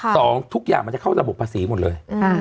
ทุกอย่างมันจะเข้าระบบภาษีหมดเลย